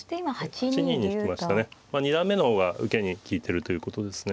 二段目の方が受けに利いてるということですね。